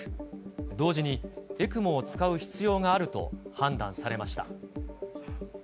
同時にＥＣＭＯを使う必要があると判断されました。